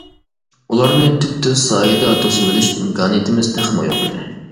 ئۇلارنى تۈپتۈز سايدا توسۇۋېلىش ئىمكانىيىتىمىز تېخىمۇ يوق ئىدى.